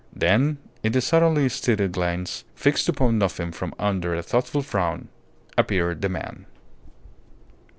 Then, in the suddenly steadied glance fixed upon nothing from under a thoughtful frown, appeared the man.